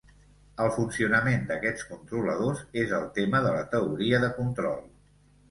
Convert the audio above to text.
El funcionament d'aquests controladors és el tema de la teoria de control.